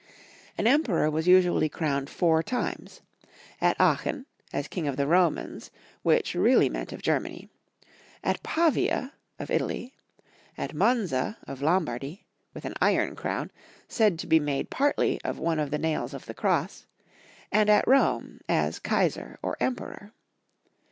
An Emperor was usually crowned four times — at Aachen, as King of the Romans, which ♦Bold War. 102 Young Folks' History of Germany. really meant o£ Germany; at Pavia, of Italy; at Moiiza, of Lombardy, with an iron crown, said to be made partly of one of the naila of the cross ; and at Rome, as Kai. ar or Emperor.